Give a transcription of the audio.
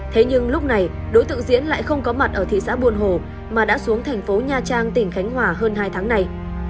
thế nhưng lúc này đối tượng diễn lại không có mặt ở thị xã buôn hồ mà đã xuống thành phố nha trang tỉnh khánh hòa hơn hai tháng này